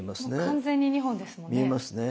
完全に２本ですもんね。